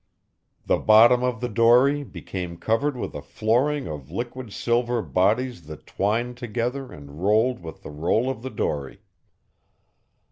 The bottom of the dory became covered with a flooring of liquid silver bodies that twined together and rolled with the roll of the dory.